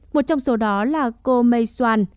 một trong số đó là cô may xuan